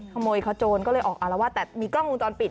ขโมยขโจรก็เลยออกอารวาสแต่มีกล้องวงจรปิด